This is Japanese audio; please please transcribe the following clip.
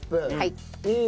いい？